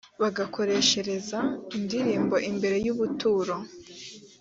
bagakoreshereza indirimbo imbere y ubuturo